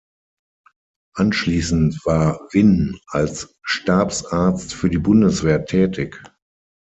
Anschließend war Winn als Stabsarzt für die Bundeswehr tätig.